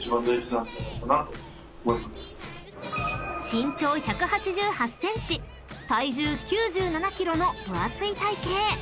［身長１８８ｃｍ体重９７ｋｇの分厚い体形］